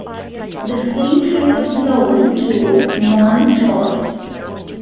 The Flint River flows through Montrose.